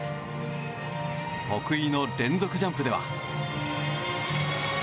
得意の連続ジャンプでは。